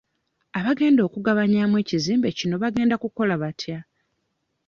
Abagenda okugabanyaamu ekizimbe kino bagenda kukola batya?